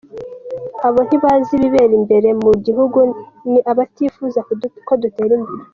Abo ntibazi ibibera imbere mu gihugu, ni abatifuza ko dutera imbere.